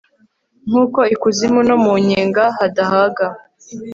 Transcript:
nk'uko ikuzimu no mu nyenga hadahaga